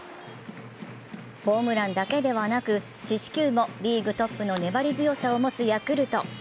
ホームランだけではなく四死球もリーグトップの粘り強さを持つヤクルト。